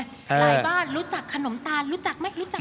หลายบ้านรู้จักขนมตานรู้จักไหม